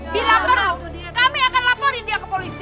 bila perlu kami akan laporin dia ke polisi